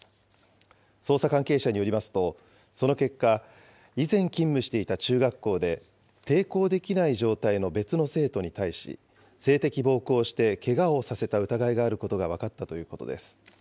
捜査関係者によりますと、その結果、以前勤務していた中学校で、抵抗できない状態の別の生徒に対し、性的暴行をしてけがをさせた疑いがあることが分かったということです。